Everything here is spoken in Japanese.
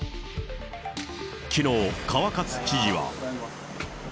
きのう、川勝知事は。